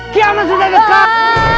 kiamat sudah dekat